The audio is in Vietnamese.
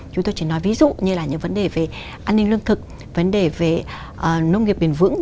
chúng tôi chỉ nói ví dụ như là những vấn đề về an ninh lương thực vấn đề về nông nghiệp bền vững